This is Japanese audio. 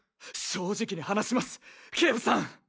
正直に話します警部さん！